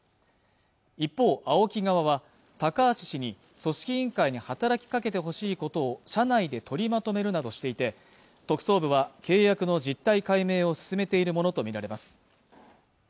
一方ＡＯＫＩ側は高橋氏に組織委員会に働きかけてほしいことを社内で取りまとめるなどしていて特捜部は契約の実態解明を進めているものと見られます